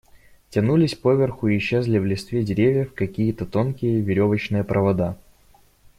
Тянулись поверху и исчезали в листве деревьев какие-то тонкие веревочные провода.